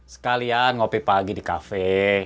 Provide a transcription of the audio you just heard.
sekalian ngopi pagi di kafe